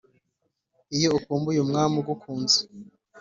iyo ukumbuye umwami ugukunze